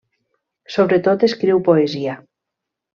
Sobretot escriu poesia.